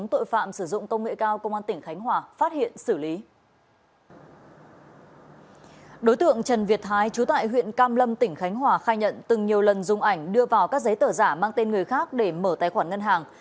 tài khoản việt thái chú tại huyện cam lâm tỉnh khánh hòa khai nhận từng nhiều lần dùng ảnh đưa vào các giấy tờ giả mang tên người khác để mở tài khoản ngân hàng